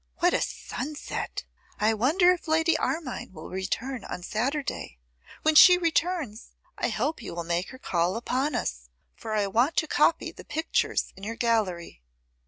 What a sunset! I wonder if Lady Armine will return on Saturday. When she returns, I hope you will make her call upon us, for I want to copy the pictures in your gallery.